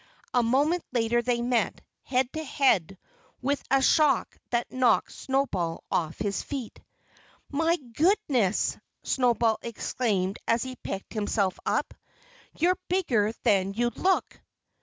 A moment later they met, head to head, with a shock that knocked Snowball off his feet. "My goodness!" Snowball exclaimed as he picked himself up. "You're bigger than you look."